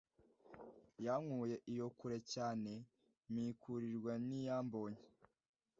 Yankuye iyo kure cyane mpikurirwa n'Iyambonye.